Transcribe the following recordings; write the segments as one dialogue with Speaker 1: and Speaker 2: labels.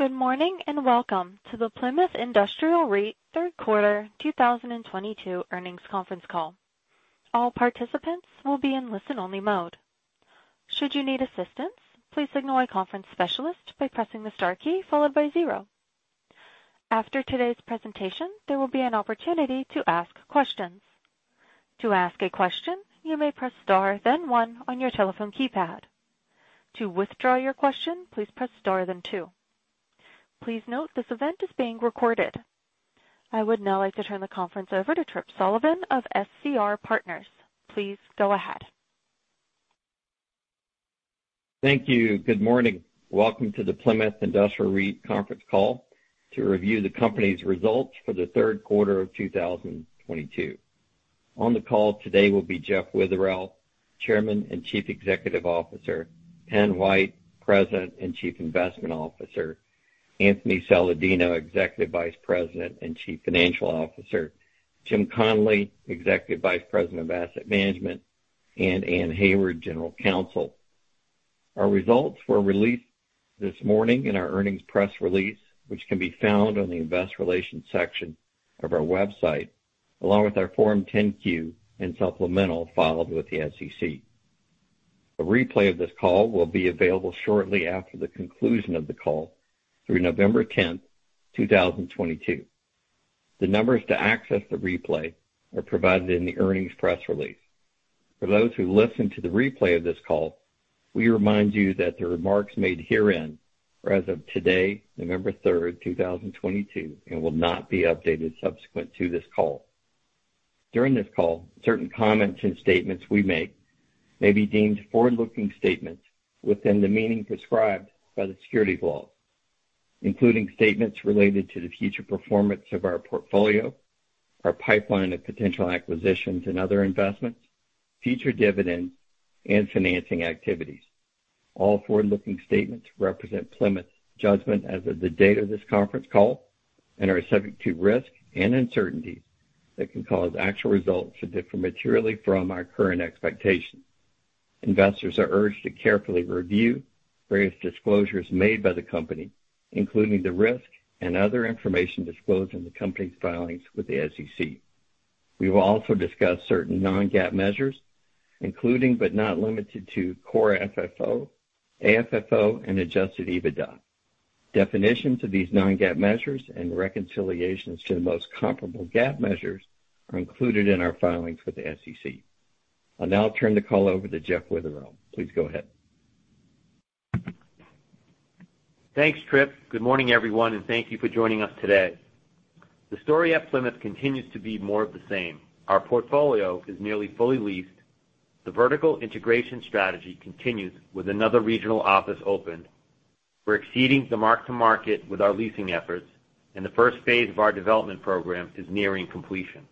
Speaker 1: Good morning, and welcome to the Plymouth Industrial REIT Third Quarter 2022 earnings conference call. All participants will be in listen-only mode. Should you need assistance, please signal a conference specialist by pressing the star key followed by zero. After today's presentation, there will be an opportunity to ask questions. To ask a question, you may press star then one on your telephone keypad. To withdraw your question, please press star then two. Please note this event is being recorded. I would now like to turn the conference over to Tripp Sullivan of SCR Partners. Please go ahead.
Speaker 2: Thank you. Good morning. Welcome to the Plymouth Industrial REIT conference call to review the company's results for the third quarter of 2022. On the call today will be Jeff Witherell, Chairman and Chief Executive Officer, Pen White, President and Chief Investment Officer, Anthony Saladino, Executive Vice President and Chief Financial Officer, Jim Connolly, Executive Vice President of Asset Management, and Anne Hayward, General Counsel. Our results were released this morning in our earnings press release, which can be found on the investor relations section of our website, along with our Form 10-Q and supplemental filed with the SEC. A replay of this call will be available shortly after the conclusion of the call through November 10, 2022. The numbers to access the replay are provided in the earnings press release. For those who listen to the replay of this call, we remind you that the remarks made herein are as of today, November 3, 2022, and will not be updated subsequent to this call. During this call, certain comments and statements we make may be deemed forward-looking statements within the meaning prescribed by the securities laws, including statements related to the future performance of our portfolio, our pipeline of potential acquisitions and other investments, future dividends, and financing activities. All forward-looking statements represent Plymouth's judgment as of the date of this conference call and are subject to risks and uncertainties that can cause actual results to differ materially from our current expectations. Investors are urged to carefully review various disclosures made by the company, including the risks and other information disclosed in the company's filings with the SEC. We will also discuss certain non-GAAP measures, including, but not limited to, Core FFO, AFFO, and Adjusted EBITDA. Definitions of these non-GAAP measures and reconciliations to the most comparable GAAP measures are included in our filings with the SEC. I'll now turn the call over to Jeff Witherell. Please go ahead.
Speaker 3: Thanks, Tripp. Good morning, everyone, and thank you for joining us today. The story at Plymouth continues to be more of the same. Our portfolio is nearly fully leased. The vertical integration strategy continues with another regional office opened. We're exceeding the mark-to-market with our leasing efforts, and the first phase of our development program is nearing completion.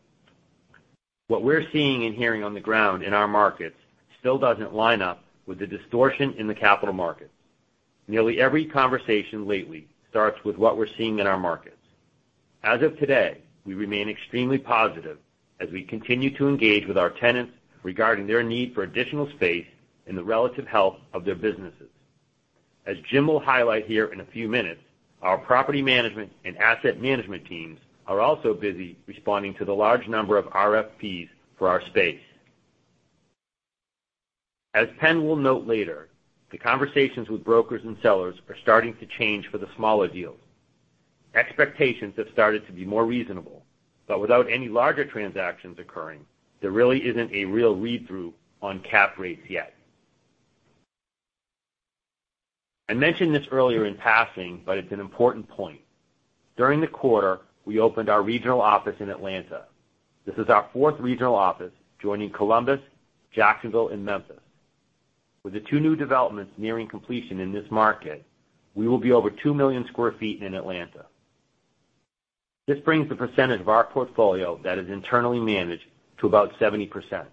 Speaker 3: What we're seeing and hearing on the ground in our markets still doesn't line up with the distortion in the capital markets. Nearly every conversation lately starts with what we're seeing in our markets. As of today, we remain extremely positive as we continue to engage with our tenants regarding their need for additional space and the relative health of their businesses. As Jim will highlight here in a few minutes, our property management and asset management teams are also busy responding to the large number of RFPs for our space. As Penn will note later, the conversations with brokers and sellers are starting to change for the smaller deals. Expectations have started to be more reasonable, but without any larger transactions occurring, there really isn't a real read-through on cap rates yet. I mentioned this earlier in passing, but it's an important point. During the quarter, we opened our regional office in Atlanta. This is our fourth regional office, joining Columbus, Jacksonville, and Memphis. With the two new developments nearing completion in this market, we will be over 2 million sq ft in Atlanta. This brings the percentage of our portfolio that is internally managed to about 70%.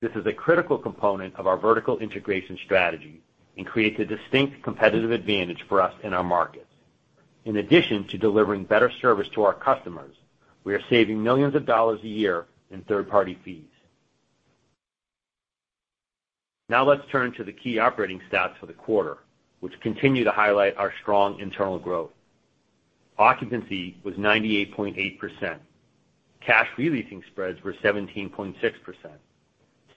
Speaker 3: This is a critical component of our vertical integration strategy and creates a distinct competitive advantage for us in our markets. In addition to delivering better service to our customers, we are saving $millions a year in third-party fees. Now let's turn to the key operating stats for the quarter, which continue to highlight our strong internal growth. Occupancy was 98.8%. Cash re-leasing spreads were 17.6%.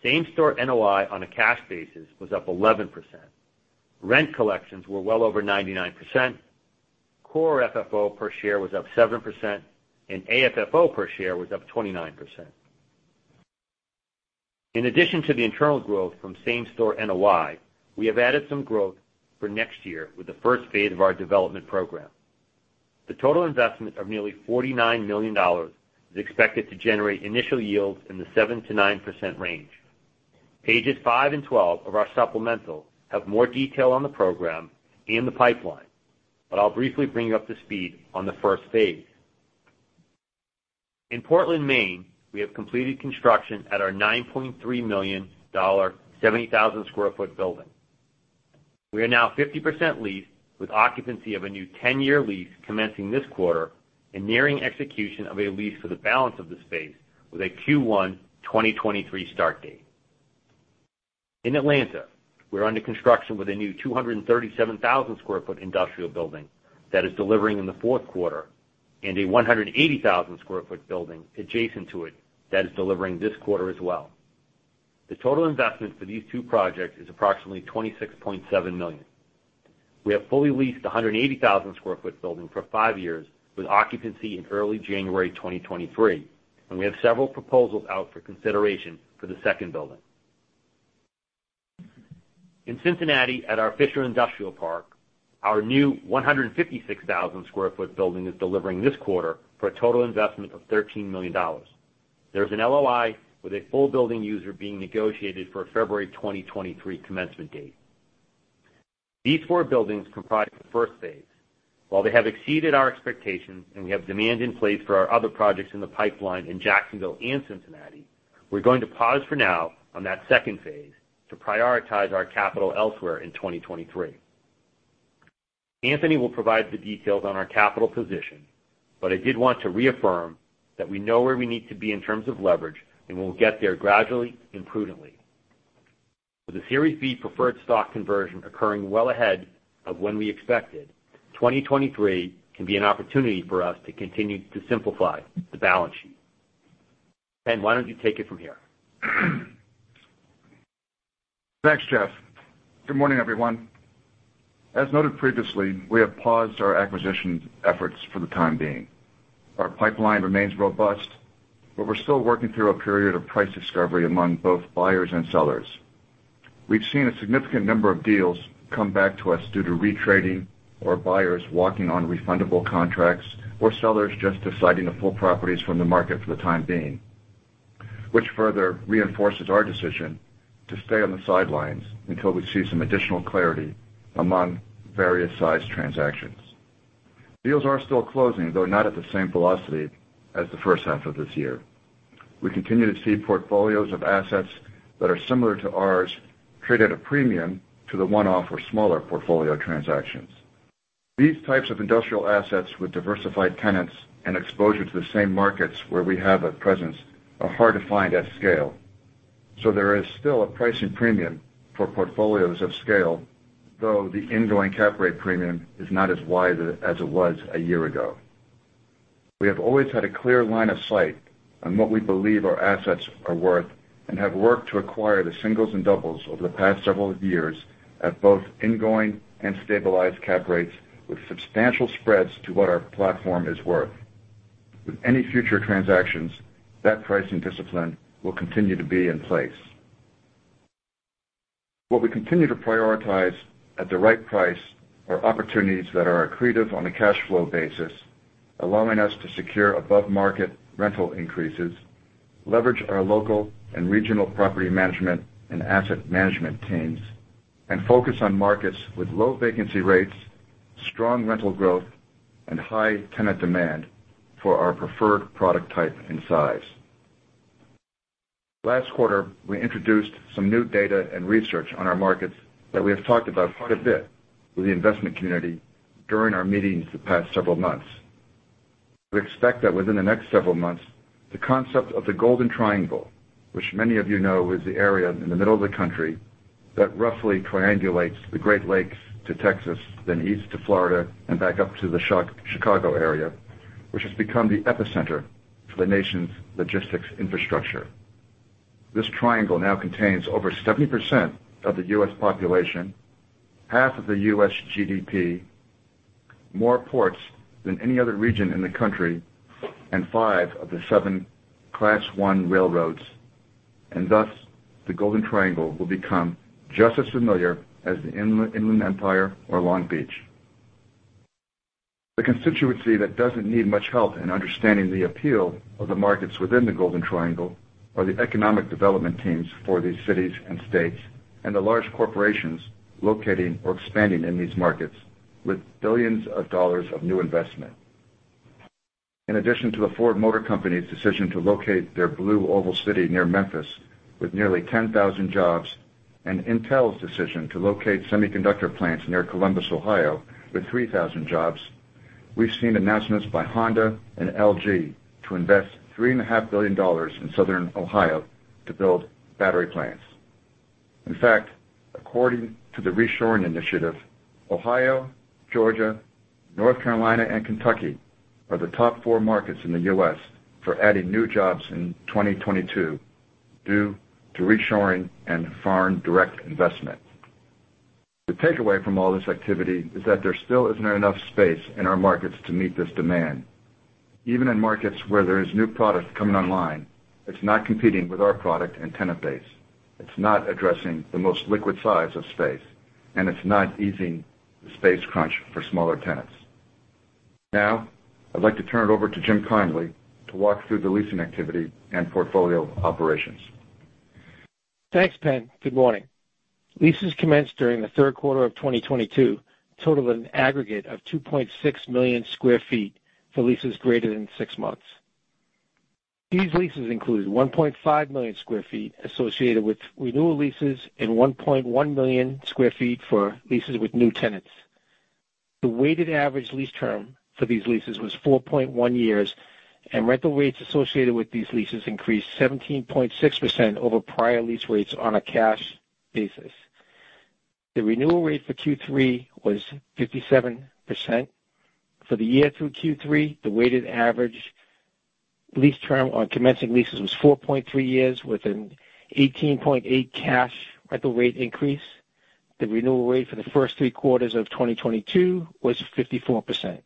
Speaker 3: Same-store NOI on a cash basis was up 11%. Rent collections were well over 99%. Core FFO per share was up 7%, and AFFO per share was up 29%. In addition to the internal growth from same-store NOI, we have added some growth for next year with the first phase of our development program. The total investment of nearly $49 million is expected to generate initial yields in the 7%-9% range. Pages five and 12 of our supplemental have more detail on the program and the pipeline, but I'll briefly bring you up to speed on the first phase. In Portland, Maine, we have completed construction at our $9.3 million, 70,000 sq ft building. We are now 50% leased with occupancy of a new 10-year lease commencing this quarter and nearing execution of a lease for the balance of the space with a Q1 2023 start date. In Atlanta, we're under construction with a new 237,000 sq ft industrial building that is delivering in the fourth quarter, and a 180,000 sq ft building adjacent to it that is delivering this quarter as well. The total investment for these two projects is approximately $26.7 million. We have fully leased the 180,000 sq ft building for five years with occupancy in early January 2023, and we have several proposals out for consideration for the second building. In Cincinnati, at our Fisher Industrial Park, our new 156,000 sq ft building is delivering this quarter for a total investment of $13 million. There's an LOI with a full building user being negotiated for a February 2023 commencement date. These four buildings comprise the first phase. While they have exceeded our expectations and we have demand in place for our other projects in the pipeline in Jacksonville and Cincinnati, we're going to pause for now on that second phase to prioritize our capital elsewhere in 2023. Anthony will provide the details on our capital position, but I did want to reaffirm that we know where we need to be in terms of leverage, and we'll get there gradually and prudently. With the Series B Preferred Stock conversion occurring well ahead of when we expected, 2023 can be an opportunity for us to continue to simplify the balance sheet. Pen, why don't you take it from here?
Speaker 4: Thanks, Jeff. Good morning, everyone. As noted previously, we have paused our acquisitions efforts for the time being. Our pipeline remains robust, but we're still working through a period of price discovery among both buyers and sellers. We've seen a significant number of deals come back to us due to retrading or buyers walking on refundable contracts or sellers just deciding to pull properties from the market for the time being, which further reinforces our decision to stay on the sidelines until we see some additional clarity among various sized transactions. Deals are still closing, though not at the same velocity as the first half of this year. We continue to see portfolios of assets that are similar to ours trade at a premium to the one-off or smaller portfolio transactions. These types of industrial assets with diversified tenants and exposure to the same markets where we have a presence are hard to find at scale. There is still a pricing premium for portfolios of scale, though the ingoing cap rate premium is not as wide as it was a year ago. We have always had a clear line of sight on what we believe our assets are worth and have worked to acquire the singles and doubles over the past several years at both ingoing and stabilized cap rates with substantial spreads to what our platform is worth. With any future transactions, that pricing discipline will continue to be in place. What we continue to prioritize at the right price are opportunities that are accretive on a cash flow basis, allowing us to secure above-market rental increases, leverage our local and regional property management and asset management teams, and focus on markets with low vacancy rates, strong rental growth, and high tenant demand for our preferred product type and size. Last quarter, we introduced some new data and research on our markets that we have talked about quite a bit with the investment community during our meetings the past several months. We expect that within the next several months, the concept of the Golden Triangle, which many of you know is the area in the middle of the country that roughly triangulates the Great Lakes to Texas, then east to Florida and back up to the Chicago area, which has become the epicenter for the nation's logistics infrastructure. This triangle now contains over 70% of the U.S. population, half of the U.S. GDP, more ports than any other region in the country, and five of the seven Class I railroads. Thus, the Golden Triangle will become just as familiar as the Inland Empire or Long Beach. The constituency that doesn't need much help in understanding the appeal of the markets within the Golden Triangle are the economic development teams for these cities and states, and the large corporations locating or expanding in these markets with billions of dollars of new investment. In addition to the Ford Motor Company's decision to locate their Blue Oval City near Memphis with nearly 10,000 jobs, and Intel's decision to locate semiconductor plants near Columbus, Ohio, with 3,000 jobs, we've seen announcements by Honda and LG to invest $3.5 billion in Southern Ohio to build battery plants. In fact, according to the Reshoring Initiative, Ohio, Georgia, North Carolina, and Kentucky are the top four markets in the U.S. for adding new jobs in 2022 due to reshoring and foreign direct investment. The takeaway from all this activity is that there still isn't enough space in our markets to meet this demand. Even in markets where there is new product coming online, it's not competing with our product and tenant base. It's not addressing the most liquid size of space, and it's not easing the space crunch for smaller tenants. Now, I'd like to turn it over to Jim Connolly to walk through the leasing activity and portfolio operations.
Speaker 5: Thanks, Pen. Good morning. Leases commenced during the third quarter of 2022 totaled an aggregate of 2.6 million sq ft for leases greater than six months. These leases include 1.5 million sq ft associated with renewal leases and 1.1 million sq ft for leases with new tenants. The weighted average lease term for these leases was 4.1 years, and rental rates associated with these leases increased 17.6% over prior lease rates on a cash basis. The renewal rate for Q3 was 57%. For the year through Q3, the weighted average lease term on commencing leases was 4.3 years with an 18.8% cash rental rate increase. The renewal rate for the first three quarters of 2022 was 54%.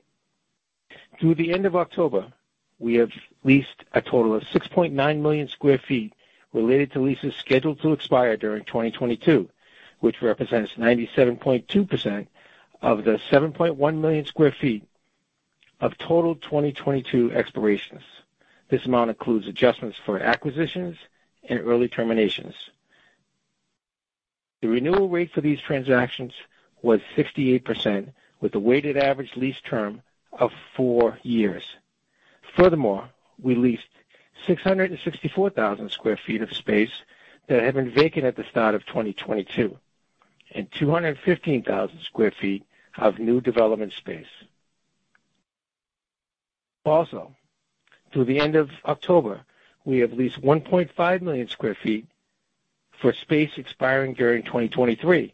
Speaker 5: Through the end of October, we have leased a total of 6.9 million sq ft related to leases scheduled to expire during 2022, which represents 97.2% of the 7.1 million sq ft of total 2022 expirations. This amount includes adjustments for acquisitions and early terminations. The renewal rate for these transactions was 68%, with a weighted average lease term of four years. Furthermore, we leased 664,000 sq ft of space that had been vacant at the start of 2022 and 215,000 sq ft of new development space. Also, through the end of October, we have leased 1.5 million sq ft for space expiring during 2023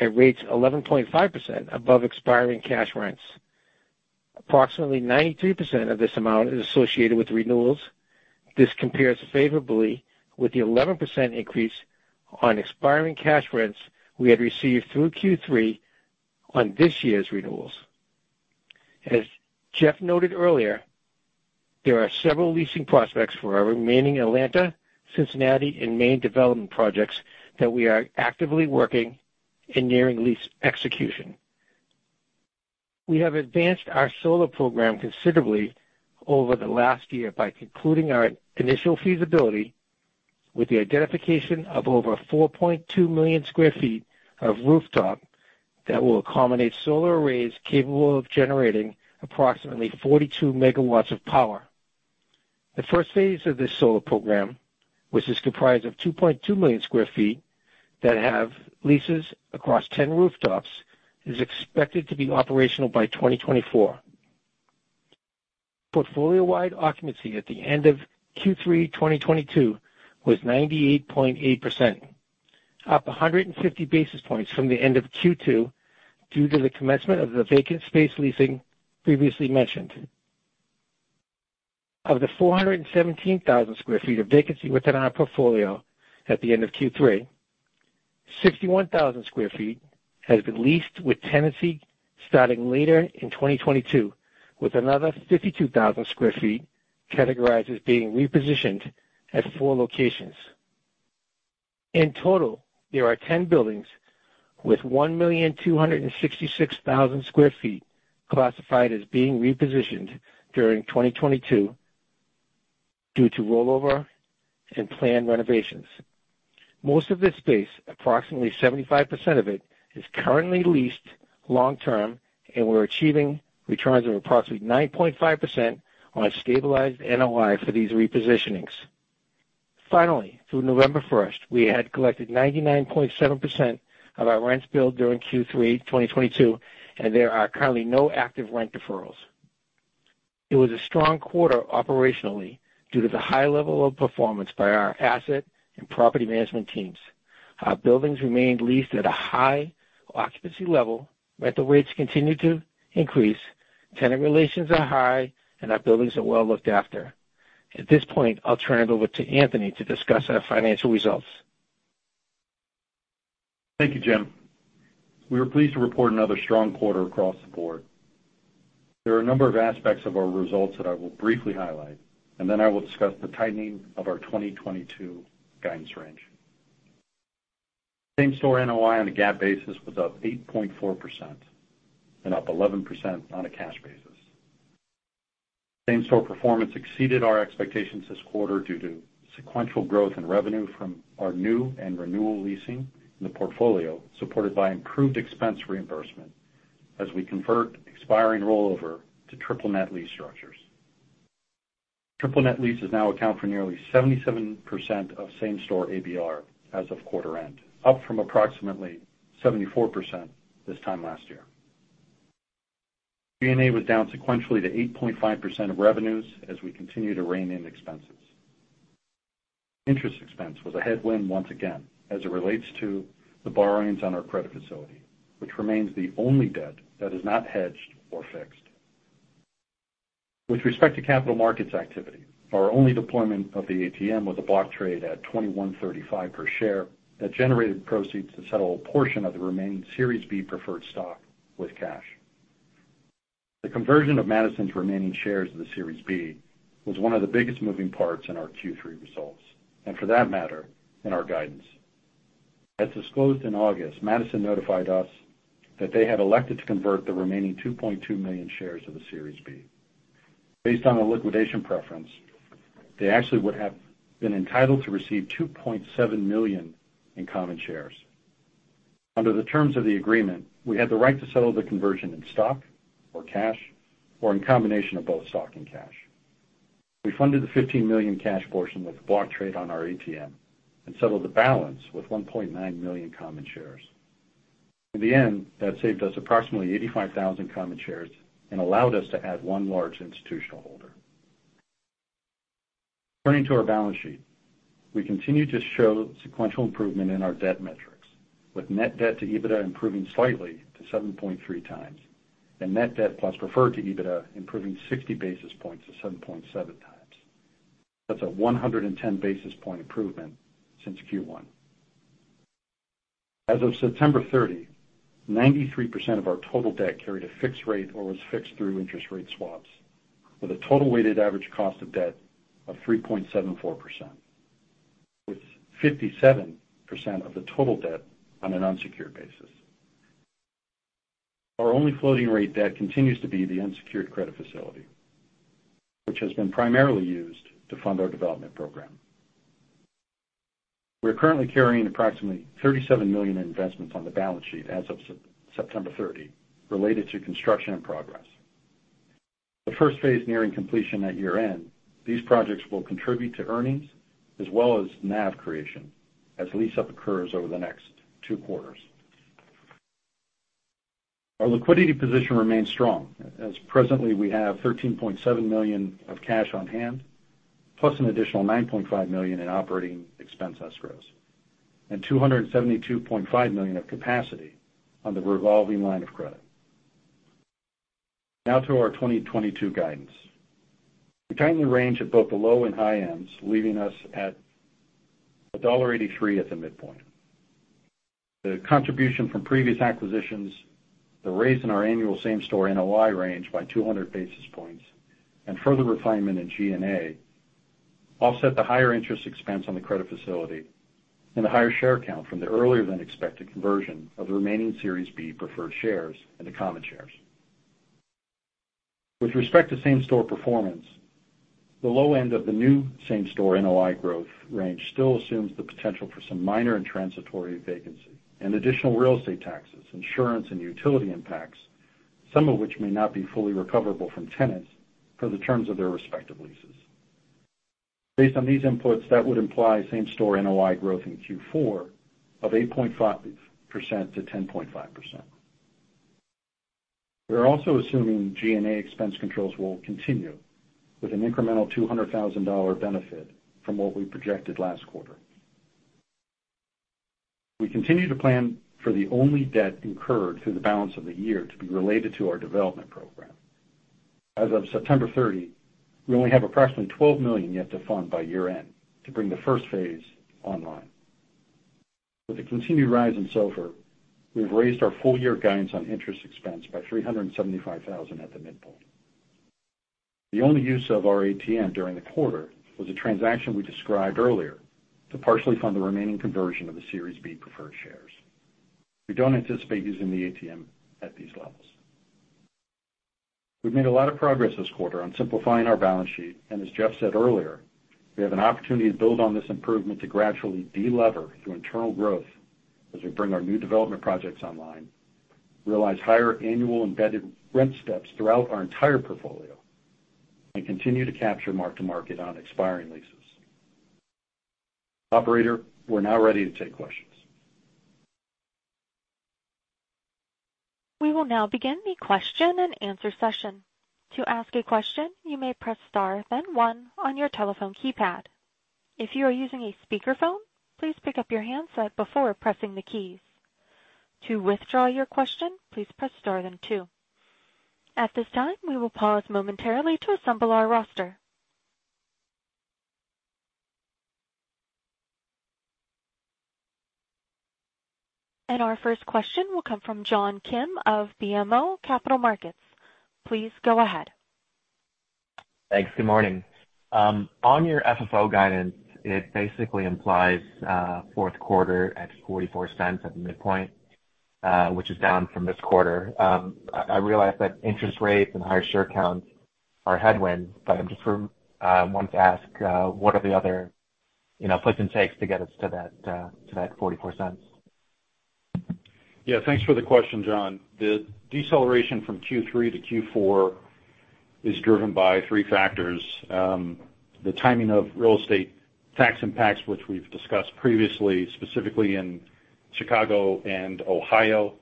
Speaker 5: at rates 11.5% above expiring cash rents. Approximately 93% of this amount is associated with renewals. This compares favorably with the 11% increase on expiring cash rents we had received through Q3 on this year's renewals. As Jeff noted earlier, there are several leasing prospects for our remaining Atlanta, Cincinnati, and Maine development projects that we are actively working in nearing lease execution. We have advanced our solar program considerably over the last year by concluding our initial feasibility with the identification of over 4.2 million sq ft of rooftop that will accommodate solar arrays capable of generating approximately 42 MW of power. The first phase of this solar program, which is comprised of 2.2 million sq ft that have leases across 10 rooftops, is expected to be operational by 2024. Portfolio-wide occupancy at the end of Q3 2022 was 98.8%, up 150 basis points from the end of Q2 due to the commencement of the vacant space leasing previously mentioned. Of the 417,000 sq ft of vacancy within our portfolio at the end of Q3, 61,000 sq ft has been leased with tenancy starting later in 2022, with another 52,000 sq ft categorized as being repositioned at four locations. In total, there are 10 buildings with 1,266,000 sq ft classified as being repositioned during 2022 due to rollover and planned renovations. Most of this space, approximately 75% of it, is currently leased long term, and we're achieving returns of approximately 9.5% on a stabilized NOI for these repositionings. Finally, through November 1, we had collected 99.7% of our rents billed during Q3 2022, and there are currently no active rent deferrals. It was a strong quarter operationally due to the high level of performance by our asset and property management teams. Our buildings remained leased at a high occupancy level. Rental rates continued to increase. Tenant relations are high and our buildings are well looked after. At this point, I'll turn it over to Anthony to discuss our financial results.
Speaker 6: Thank you, Jim. We were pleased to report another strong quarter across the board. There are a number of aspects of our results that I will briefly highlight, and then I will discuss the tightening of our 2022 guidance range. Same-store NOI on a GAAP basis was up 8.4% and up 11% on a cash basis. Same-store performance exceeded our expectations this quarter due to sequential growth in revenue from our new and renewal leasing in the portfolio, supported by improved expense reimbursement as we convert expiring rollover to triple net lease structures. Triple net leases now account for nearly 77% of same-store ABR as of quarter end, up from approximately 74% this time last year. G&A was down sequentially to 8.5% of revenues as we continue to rein in expenses. Interest expense was a headwind once again as it relates to the borrowings on our credit facility, which remains the only debt that is not hedged or fixed. With respect to capital markets activity, our only deployment of the ATM was a block trade at $21.35 per share. That generated proceeds to settle a portion of the remaining Series B preferred stock with cash. The conversion of Madison's remaining shares of the Series B was one of the biggest moving parts in our Q3 results, and for that matter, in our guidance. As disclosed in August, Madison notified us that they had elected to convert the remaining 2.2 million shares of the Series B. Based on a liquidation preference, they actually would have been entitled to receive 2.7 million common shares. Under the terms of the agreement, we had the right to settle the conversion in stock or cash or in combination of both stock and cash. We funded the $15 million cash portion with block trade on our ATM and settled the balance with 1.9 million common shares. In the end, that saved us approximately 85,000 common shares and allowed us to add one large institutional holder. Turning to our balance sheet, we continue to show sequential improvement in our debt metrics, with Net Debt to EBITDA improving slightly to 7.3 times, and net debt plus preferred to EBITDA improving 60 basis points to 7.7 times. That's a 110 basis point improvement since Q1. As of September 30, 93% of our total debt carried a fixed rate or was fixed through interest rate swaps with a total weighted average cost of debt of 3.74%, with 57% of the total debt on an unsecured basis. Our only floating rate debt continues to be the unsecured credit facility, which has been primarily used to fund our development program. We're currently carrying approximately $37 million investments on the balance sheet as of September 30 related to construction in progress. The first phase nearing completion at year-end, these projects will contribute to earnings as well as NAV creation as lease-up occurs over the next two quarters. Our liquidity position remains strong, as presently, we have $13.7 million of cash on hand, plus an additional $9.5 million in operating expense escrows and $272.5 million of capacity on the revolving line of credit. Now to our 2022 guidance. We tightened the range at both the low and high ends, leaving us at $1.83 at the midpoint. The contribution from previous acquisitions, the raise in our annual same-store NOI range by 200 basis points and further refinement in G&A offset the higher interest expense on the credit facility and the higher share count from the earlier than expected conversion of the remaining Series B preferred shares into common shares. With respect to same-store performance, the low end of the new same-store NOI growth range still assumes the potential for some minor and transitory vacancy and additional real estate taxes, insurance, and utility impacts, some of which may not be fully recoverable from tenants for the terms of their respective leases. Based on these inputs, that would imply same-store NOI growth in Q4 of 8.5%-10.5%. We are also assuming G&A expense controls will continue with an incremental $200,000 benefit from what we projected last quarter. We continue to plan for the only debt incurred through the balance of the year to be related to our development program. As of September 30, we only have approximately $12 million yet to fund by year-end to bring the first phase online. With the continued rise in SOFR, we've raised our full-year guidance on interest expense by $375,000 at the midpoint. The only use of our ATM during the quarter was a transaction we described earlier to partially fund the remaining conversion of the Series B preferred shares. We don't anticipate using the ATM at these levels. We've made a lot of progress this quarter on simplifying our balance sheet, and as Jeff said earlier, we have an opportunity to build on this improvement to gradually delever through internal growth as we bring our new development projects online, realize higher annual embedded rent steps throughout our entire portfolio, and continue to capture mark-to-market on expiring leases. Operator, we're now ready to take questions.
Speaker 1: We will now begin the question-and-answer session. To ask a question, you may press star then one on your telephone keypad. If you are using a speakerphone, please pick up your handset before pressing the keys. To withdraw your question, please press star then two. At this time, we will pause momentarily to assemble our roster. Our first question will come from John Kim of BMO Capital Markets. Please go ahead.
Speaker 7: Thanks. Good morning. On your FFO guidance, it basically implies fourth quarter at $0.44 at the midpoint, which is down from this quarter. I realize that interest rates and higher share counts are headwinds, but I just wanted to ask what are the other, you know, gives and takes to get us to that $0.44?
Speaker 6: Yeah, thanks for the question, John. The deceleration from Q3 to Q4 is driven by three factors. The timing of real estate tax impacts, which we've discussed previously, specifically in Chicago and Ohio.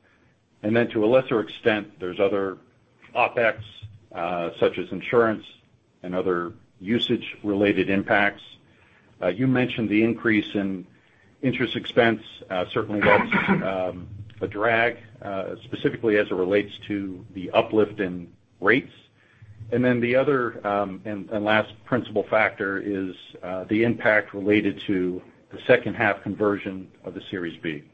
Speaker 6: To a lesser extent, there's other OpEx, such as insurance and other usage-related impacts. You mentioned the increase in interest expense, certainly that's a drag, specifically as it relates to the uplift in rates. The other and last principal factor is the impact related to the second half conversion of the Series B.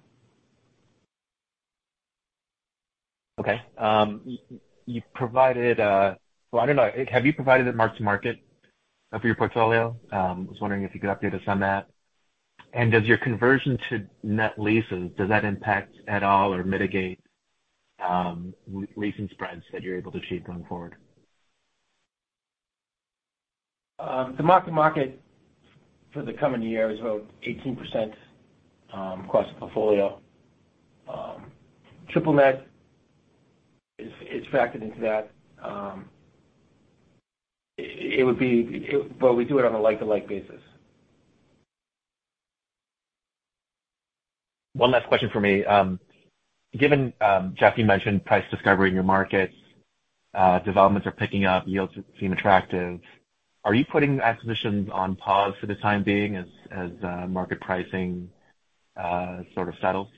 Speaker 7: Well, I don't know. Have you provided a mark-to-market of your portfolio? I was wondering if you could update us on that. Does your conversion to net leases impact at all or mitigate leasing spreads that you're able to achieve going forward?
Speaker 5: The mark-to-market for the coming year is about 18%, across the portfolio. Triple net
Speaker 3: It's factored into that. Well, we do it on a like-for-like basis.
Speaker 7: One last question for me. Given, Jeff, you mentioned price discovery in your markets, developments are picking up, yields seem attractive. Are you putting acquisitions on pause for the time being as market pricing sort of settles?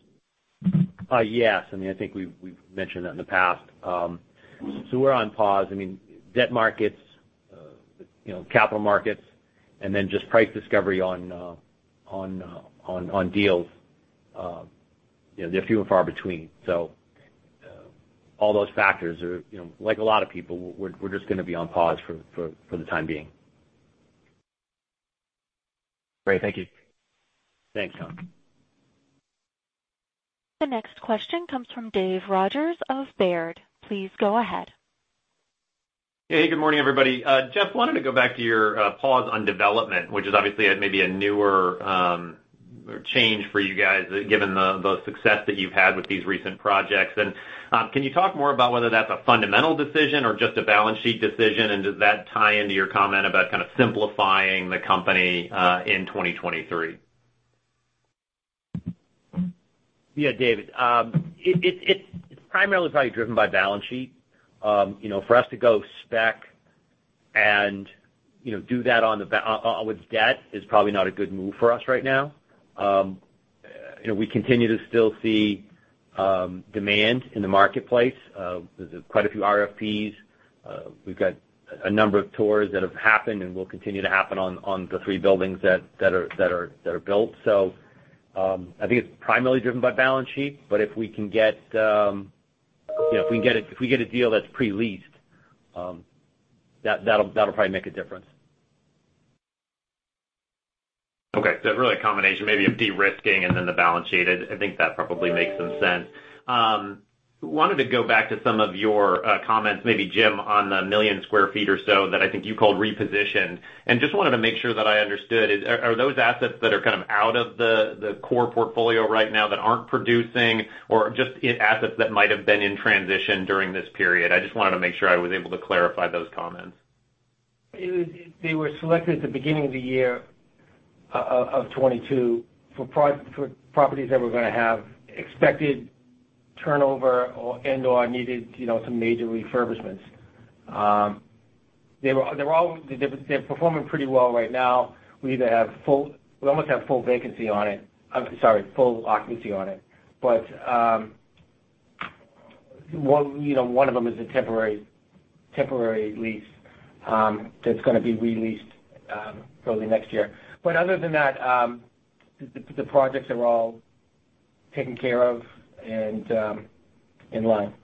Speaker 3: Yes. I mean, I think we've mentioned that in the past. So we're on pause. I mean, debt markets, you know, capital markets and then just price discovery on deals, you know, they're few and far between. So all those factors are, you know. Like a lot of people, we're just gonna be on pause for the time being.
Speaker 7: Great. Thank you.
Speaker 3: Thanks, Tom.
Speaker 1: The next question comes from Dave Rodgers of Baird. Please go ahead.
Speaker 8: Hey, good morning, everybody. Jeff, wanted to go back to your pause on development, which is obviously maybe a newer change for you guys given the success that you've had with these recent projects. Can you talk more about whether that's a fundamental decision or just a balance sheet decision? Does that tie into your comment about kind of simplifying the company in 2023?
Speaker 3: Yeah, Dave. It's primarily probably driven by balance sheet. You know, for us to go spec and, you know, do that on with debt is probably not a good move for us right now. You know, we continue to still see demand in the marketplace. There's quite a few RFPs. We've got a number of tours that have happened and will continue to happen on the three buildings that are built. I think it's primarily driven by balance sheet, but if we get a deal that's pre-leased, that'll probably make a difference.
Speaker 8: Okay. Really a combination maybe of de-risking and then the balance sheet. I think that probably makes some sense. Wanted to go back to some of your comments, maybe Jim, on the 1 million sq ft or so that I think you called repositioned, and just wanted to make sure that I understood. Are those assets that are kind of out of the core portfolio right now that aren't producing or just assets that might have been in transition during this period? I just wanted to make sure I was able to clarify those comments.
Speaker 5: They were selected at the beginning of the year of 2022 for properties that were gonna have expected turnover or, and/or needed, you know, some major refurbishments. They're performing pretty well right now. We almost have full vacancy on it. I'm sorry, full occupancy on it. One, you know, one of them is a temporary lease that's gonna be re-leased probably next year. Other than that, the projects are all taken care of and in line.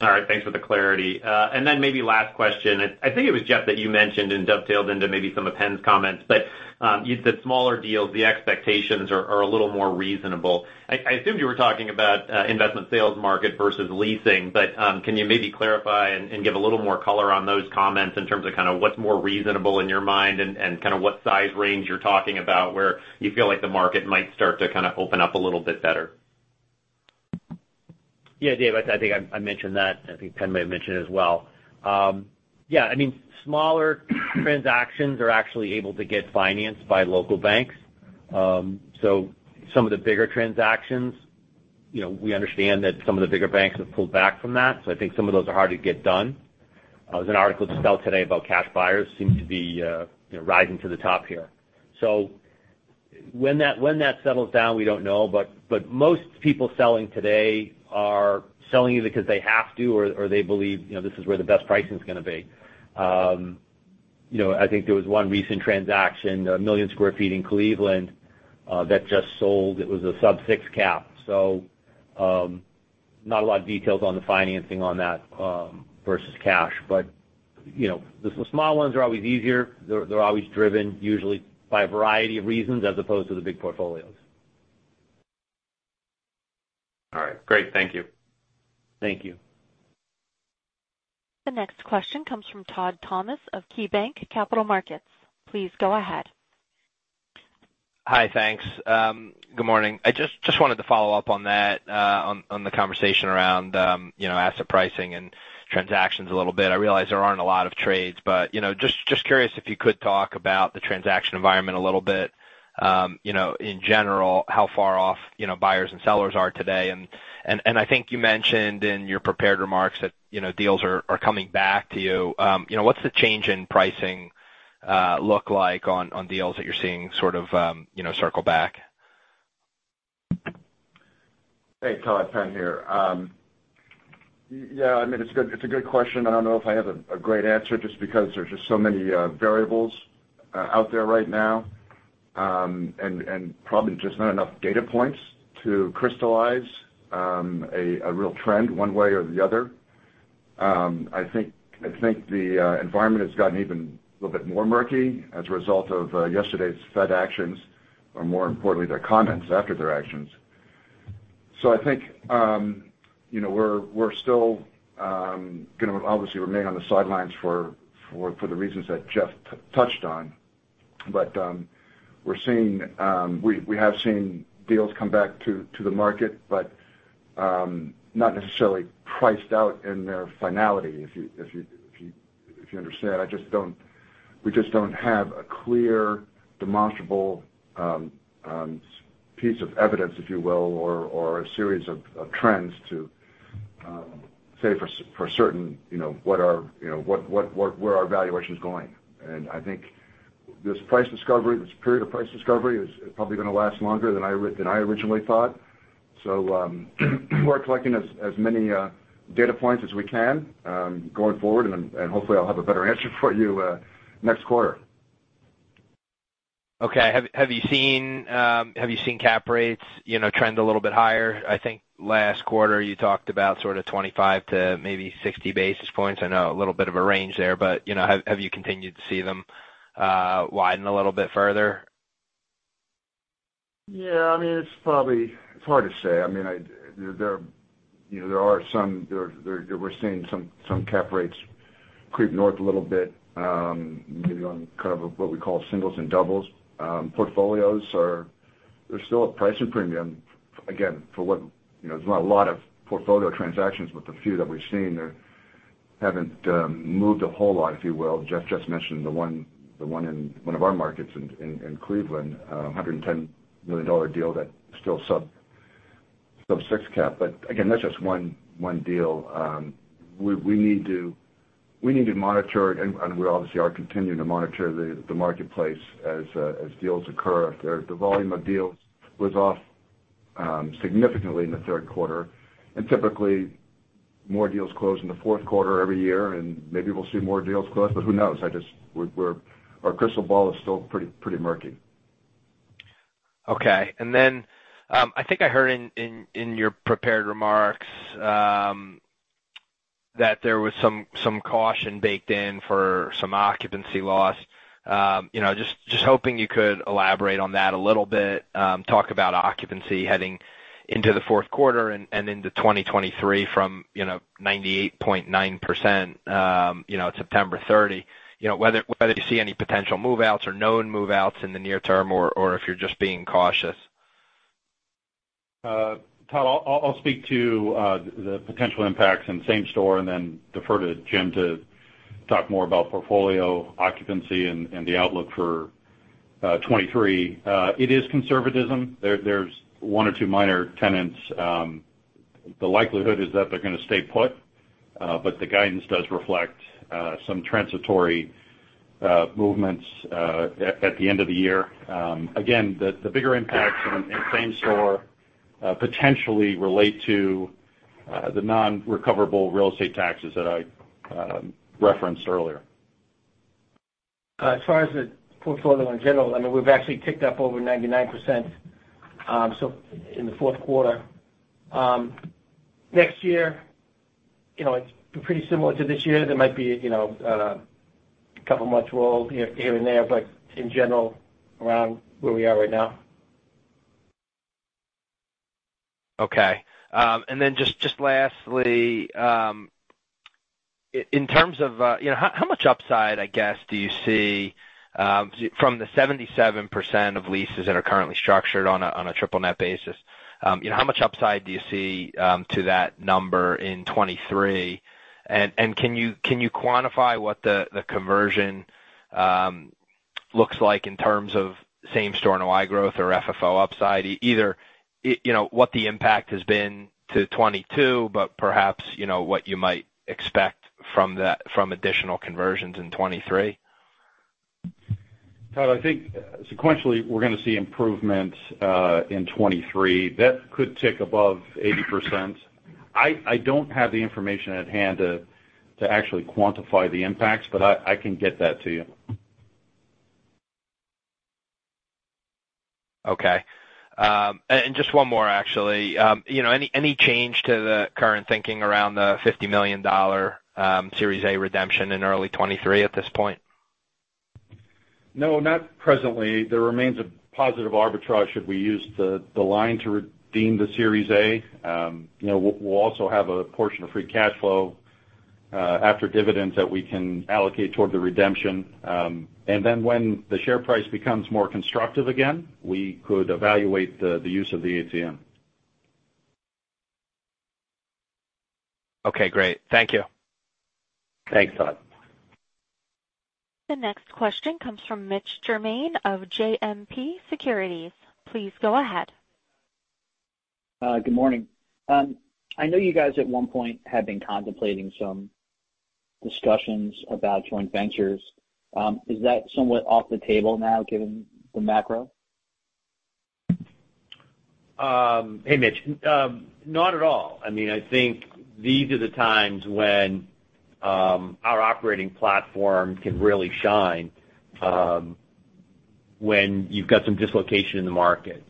Speaker 8: All right. Thanks for the clarity. Maybe last question. I think it was Jeff that you mentioned and dovetailed into maybe some of Pen White comments, you said smaller deals, the expectations are a little more reasonable. I assumed you were talking about investment sales market versus leasing. Can you maybe clarify and give a little more color on those comments in terms of kinda what's more reasonable in your mind and kinda what size range you're talking about where you feel like the market might start to kinda open up a little bit better?
Speaker 3: Yeah, Dave. I think I mentioned that. I think Penn may have mentioned it as well. Yeah, I mean, smaller transactions are actually able to get financed by local banks. So some of the bigger transactions, you know, we understand that some of the bigger banks have pulled back from that, so I think some of those are hard to get done. There's an article just out today about cash buyers seem to be, you know, rising to the top here. So when that settles down, we don't know, but most people selling today are selling either because they have to or they believe, you know, this is where the best pricing's gonna be. You know, I think there was one recent transaction, 1 million sq ft in Cleveland, that just sold. It was a sub-6 cap. Not a lot of details on the financing on that versus cash. You know, the small ones are always easier. They're always driven usually by a variety of reasons as opposed to the big portfolios.
Speaker 8: All right. Great. Thank you.
Speaker 3: Thank you.
Speaker 1: The next question comes from Todd Thomas of KeyBanc Capital Markets. Please go ahead.
Speaker 9: Hi. Thanks. Good morning. I just wanted to follow up on that, on the conversation around, you know, asset pricing and transactions a little bit. I realize there aren't a lot of trades, but, you know, just curious if you could talk about the transaction environment a little bit. You know, in general, how far off, you know, buyers and sellers are today. I think you mentioned in your prepared remarks that, you know, deals are coming back to you. You know, what's the change in pricing look like on deals that you're seeing sort of, you know, circle back?
Speaker 4: Hey, Todd. Pen here. Yeah, I mean, it's a good question. I don't know if I have a great answer just because there's just so many variables out there right now, and probably just not enough data points to crystallize a real trend one way or the other. I think the environment has gotten even a little bit more murky as a result of yesterday's Fed actions, or more importantly, their comments after their actions. I think you know, we're still gonna obviously remain on the sidelines for the reasons that Jeff touched on. We have seen deals come back to the market, but not necessarily priced out in their finality, if you understand. We just don't have a clear, demonstrable piece of evidence, if you will, or a series of trends to say for certain, you know, where our valuation's going. I think this period of price discovery is probably gonna last longer than I originally thought. We're collecting as many data points as we can going forward. Hopefully I'll have a better answer for you next quarter.
Speaker 9: Okay. Have you seen cap rates, you know, trend a little bit higher? I think last quarter you talked about sort of 25 to maybe 60 basis points. I know a little bit of a range there. You know, have you continued to see them widen a little bit further?
Speaker 4: Yeah. I mean, it's probably. It's hard to say. I mean, there are some, you know. We're seeing some cap rates creep north a little bit, maybe on kind of what we call singles and doubles. There's still a pricing premium, again, for what you know, there's not a lot of portfolio transactions. The few that we've seen, they haven't moved a whole lot, if you will. Jeff just mentioned the one in one of our markets in Cleveland, a $110 million deal that is still sub-6 cap. Again, that's just one deal. We need to monitor, and we obviously are continuing to monitor the marketplace as deals occur. The volume of deals was off significantly in the third quarter. Typically, more deals close in the fourth quarter every year, and maybe we'll see more deals close, but who knows? Our crystal ball is still pretty murky.
Speaker 9: Okay. I think I heard in your prepared remarks that there was some caution baked in for some occupancy loss. You know, just hoping you could elaborate on that a little bit, talk about occupancy heading into the fourth quarter and into 2023 from, you know, 98.9%, September 30. You know, whether you see any potential move-outs or known move-outs in the near term or if you're just being cautious.
Speaker 6: Todd, I'll speak to the potential impacts in same store and then defer to Jim to talk more about portfolio occupancy and the outlook for 2023. It is conservatism. There's one or two minor tenants. The likelihood is that they're gonna stay put, but the guidance does reflect some transitory movements at the end of the year. Again, the bigger impacts in same store potentially relate to the non-recoverable real estate taxes that I referenced earlier.
Speaker 5: As far as the portfolio in general, I mean, we've actually ticked up over 99%, so in the fourth quarter. Next year, you know, it's pretty similar to this year. There might be, you know, a couple of mature rolls here and there. But in general, around where we are right now.
Speaker 9: Okay. Then just lastly, in terms of, you know, how much upside, I guess, do you see from the 77% of leases that are currently structured on a triple net basis? You know, how much upside do you see to that number in 2023? And can you quantify what the conversion looks like in terms of same-store NOI growth or FFO upside? Either you know, what the impact has been to 2022, but perhaps you know, what you might expect from that from additional conversions in 2023.
Speaker 6: Todd, I think sequentially we're gonna see improvements in 2023. That could tick above 80%. I don't have the information at hand to actually quantify the impacts, but I can get that to you.
Speaker 9: Okay. Just one more actually. You know, any change to the current thinking around the $50 million Series A redemption in early 2023 at this point?
Speaker 6: No, not presently. There remains a positive arbitrage should we use the line to redeem the Series A. You know, we'll also have a portion of free cash flow after dividends that we can allocate toward the redemption. When the share price becomes more constructive again, we could evaluate the use of the ATM.
Speaker 9: Okay, great. Thank you.
Speaker 4: Thanks, Todd.
Speaker 1: The next question comes from Mitch Germain of JMP Securities. Please go ahead.
Speaker 10: Good morning. I know you guys at one point had been contemplating some discussions about joint ventures. Is that somewhat off the table now given the macro?
Speaker 3: Hey, Mitch. Not at all. I mean, I think these are the times when our operating platform can really shine when you've got some dislocation in the market.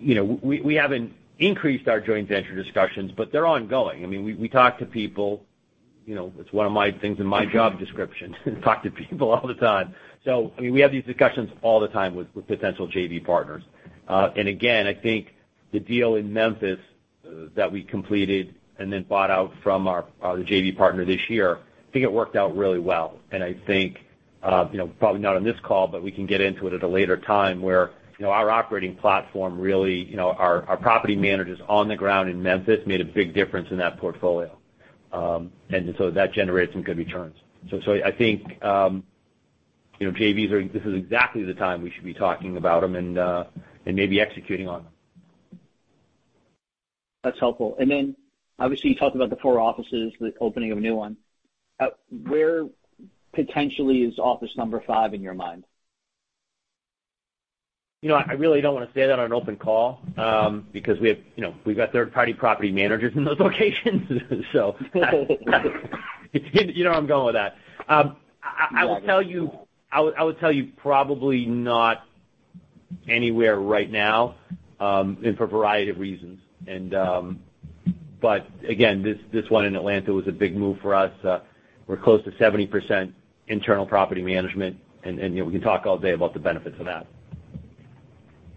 Speaker 3: You know, we haven't increased our joint venture discussions, but they're ongoing. I mean, we talk to people, you know, it's one of my things in my job description, talk to people all the time. I mean, we have these discussions all the time with potential JV partners. Again, I think. The deal in Memphis that we completed and then bought out from our JV partner this year, I think it worked out really well. I think you know, probably not on this call, but we can get into it at a later time where you know, our operating platform really you know, our property managers on the ground in Memphis made a big difference in that portfolio. That generated some good returns. I think you know, JVs are. This is exactly the time we should be talking about them and maybe executing on them.
Speaker 10: That's helpful. Obviously, you talked about the four offices, the opening of a new one. Where potentially is office number five in your mind?
Speaker 3: You know what? I really don't wanna say that on an open call, because we have, you know, we've got third-party property managers in those locations. So that's. You know where I'm going with that. I would tell you probably not anywhere right now, and for a variety of reasons. But again, this one in Atlanta was a big move for us. We're close to 70% internal property management and, you know, we can talk all day about the benefits of that.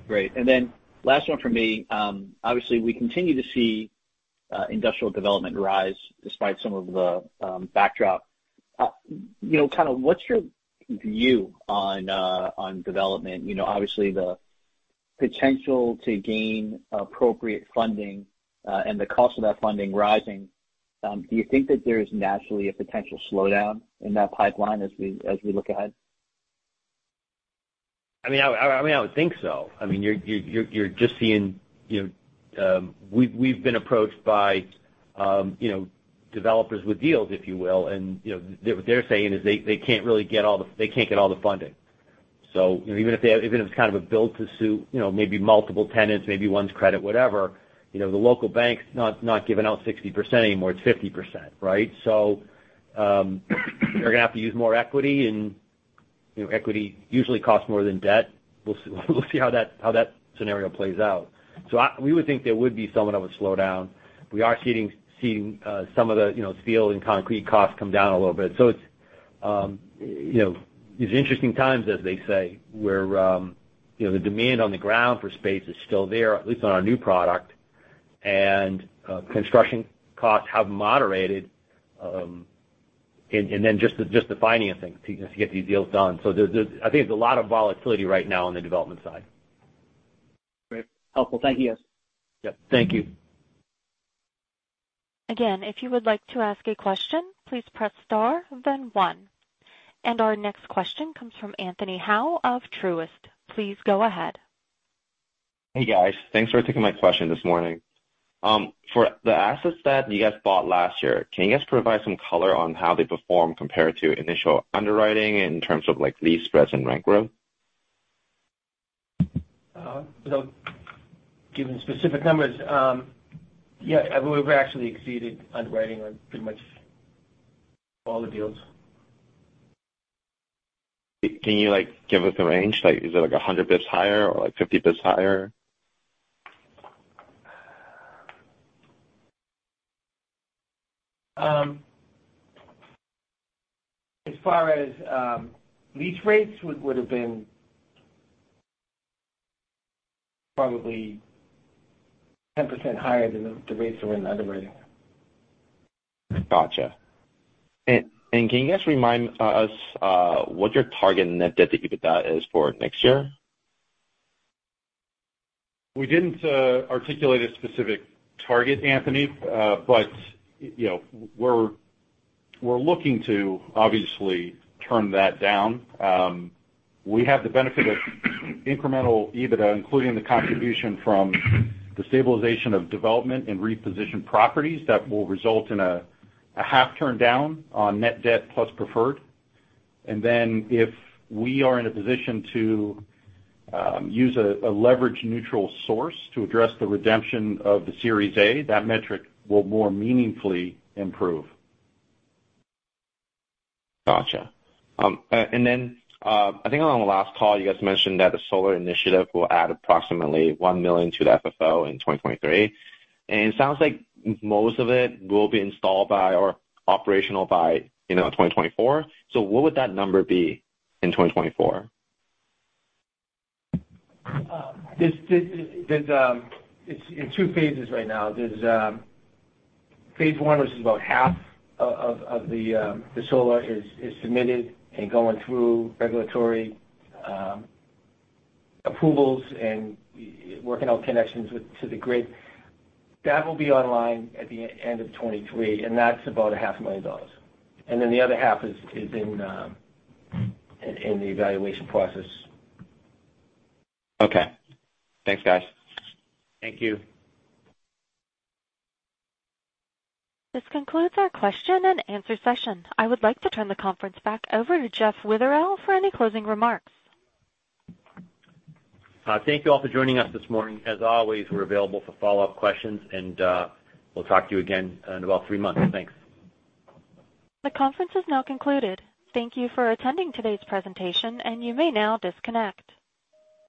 Speaker 10: Great. Last one from me. Obviously, we continue to see industrial development rise despite some of the backdrop. You know, kind of what's your view on development? You know, obviously the potential to gain appropriate funding and the cost of that funding rising, do you think that there is naturally a potential slowdown in that pipeline as we look ahead?
Speaker 3: I mean, I would think so. I mean, you're just seeing, you know, we've been approached by, you know, developers with deals, if you will. You know, they're saying they can't really get all the funding. Even if it's kind of a build to suit, you know, maybe multiple tenants, maybe one's credit, whatever, you know, the local bank's not giving out 60% anymore. It's 50%, right? They're gonna have to use more equity, and, you know, equity usually costs more than debt. We'll see how that scenario plays out. We would think there would be somewhat of a slowdown. We are seeing some of the, you know, steel and concrete costs come down a little bit. It's, you know, these interesting times, as they say, where, you know, the demand on the ground for space is still there, at least on our new product, and construction costs have moderated, and then just the financing to get these deals done. I think there's a lot of volatility right now on the development side.
Speaker 10: Great. Helpful. Thank you.
Speaker 3: Yep. Thank you.
Speaker 1: Again, if you would like to ask a question, please press star, then one. Our next question comes from Anthony Hau of Truist. Please go ahead.
Speaker 11: Hey, guys. Thanks for taking my question this morning. For the assets that you guys bought last year, can you guys provide some color on how they perform compared to initial underwriting in terms of like lease spreads and rent growth?
Speaker 3: Without giving specific numbers, we've actually exceeded underwriting on pretty much all the deals.
Speaker 11: Can you, like, give us a range? Like, is it like 100 basis points higher or like 50 basis points higher?
Speaker 3: As far as lease rates would have been probably 10% higher than the rates that were in underwriting.
Speaker 11: Gotcha. Can you guys remind us what your target Net Debt to EBITDA is for next year?
Speaker 3: We didn't articulate a specific target, Anthony. You know, we're looking to obviously turn that down. We have the benefit of incremental EBITDA, including the contribution from the stabilization of development and reposition properties that will result in a half turn down on net debt plus preferred. If we are in a position to use a leverage neutral source to address the redemption of the Series A, that metric will more meaningfully improve.
Speaker 11: Gotcha. I think on the last call, you guys mentioned that the solar initiative will add approximately $1 million to the FFO in 2023. It sounds like most of it will be installed by or operational by, you know, 2024. What would that number be in 2024?
Speaker 3: It's in two phases right now. Phase one, which is about half of the solar, is submitted and going through regulatory approvals and working out connections to the grid. That will be online at the end of 2023, and that's about $ half a million. The other half is in the evaluation process.
Speaker 11: Okay. Thanks, guys.
Speaker 3: Thank you.
Speaker 1: This concludes our question and answer session. I would like to turn the conference back over to Jeff Witherell for any closing remarks.
Speaker 3: Thank you all for joining us this morning. As always, we're available for follow-up questions, and we'll talk to you again in about three months. Thanks.
Speaker 1: The conference is now concluded. Thank you for attending today's presentation, and you may now disconnect.